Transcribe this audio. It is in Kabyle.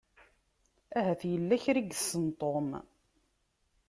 Ahat yella kra i yessen Tom.